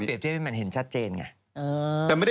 ก็เปรียบเทียบให้มันเห็นชัดเจนไง